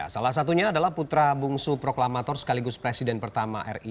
salah satunya adalah putra bungsu proklamator sekaligus presiden pertama ri